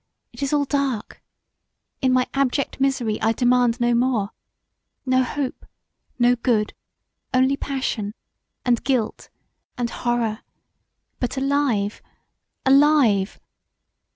It is all dark; in my abject misery I demand no more: no hope, no good: only passion, and guilt, and horror; but alive! Alive!